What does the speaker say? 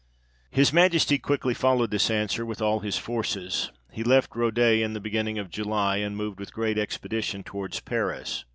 His Majesty quickly followed this answer with all his forces, he left Rodez in the beginning of July, and moved with great expedition towards Paris.